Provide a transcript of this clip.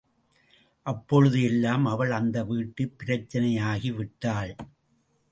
அப்பொழுது எல்லாம் அவள் அந்த வீட்டுப் பிரச்சனையாகி விட்டாள்.